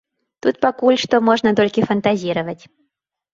Тут пакуль што можна толькі фантазіраваць.